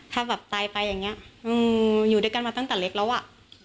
ถ้าแบบตายไปอย่างนี้อยู่ด้วยกันมาตั้งแต่เล็กแล้วอ่ะ